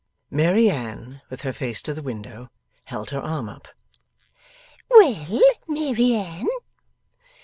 Mary Anne with her face to the window, held her arm up. 'Well, Mary Anne?